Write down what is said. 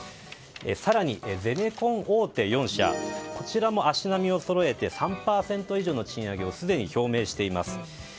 更に、ゼネコン大手４社こちらも足並みをそろえて３％以上の賃上げをすでに表明しています。